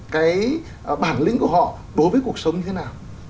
cái bản lĩnh của họ đối với cuộc sống như thế nào